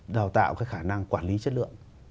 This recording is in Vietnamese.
đào tạo cái khả năng quản lý chất lượng